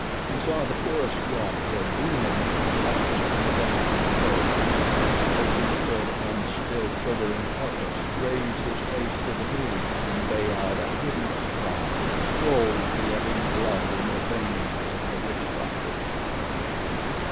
He saw the forest god or demon rise from the vanquished foe, and placing a foot upon the still quivering carcass, raise his face to the moon and bay out a hideous cry that froze the ebbing blood in the veins of the witch doctor.